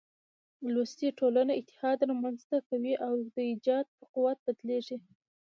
لوستې ټولنه اتحاد رامنځ ته کوي او د ايجاد په قوت بدلېږي.